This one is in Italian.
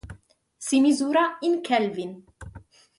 Si misura in kelvin.